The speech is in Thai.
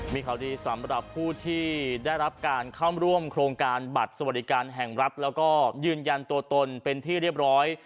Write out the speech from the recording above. มีข่าวดีสำหรับผู้ที่ได้รับการเข้าร่วมโครงการบัตรสวัสดิการแห่งรัฐแล้วก็ยืนยันตัวตนเป็นที่เรียบร้อย